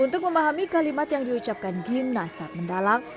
untuk memahami kalimat yang diucapkan gimna saat mendalang